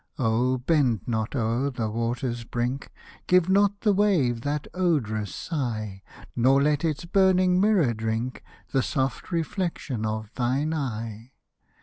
Oh ! bend not o'er the water's brink, Give not the wave that odorous sigh, Nor let its burning mirror drink The soft reflection of thine eye.